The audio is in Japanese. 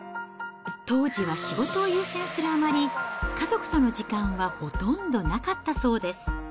当時は仕事を優先するあまり、家族との時間はほとんどなかったそうです。